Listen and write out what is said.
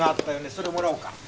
それもらおうか。